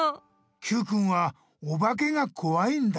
Ｑくんはおばけがこわいんだ。